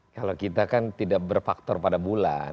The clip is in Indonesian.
kalau kita kan tidak berfaktor pada bulan